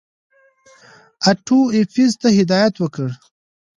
آټو ایفز ته هدایت وکړ.